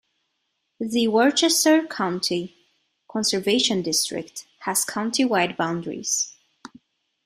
The Worcester County Conservation District has countywide boundaries.